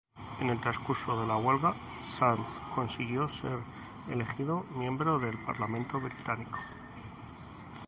En el transcurso de la huelga, Sands consiguió ser elegido miembro del Parlamento Británico.